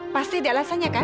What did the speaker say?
pasti dia alasannya kan